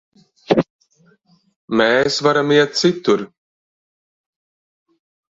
Mēs varam iet citur.